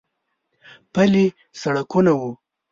پلي سړکونه و.